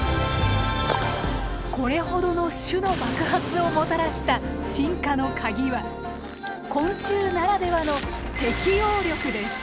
これほどの種の爆発をもたらした進化のカギは昆虫ならではの適応力です。